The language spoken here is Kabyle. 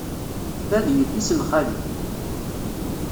Ta d yelli-s n xali.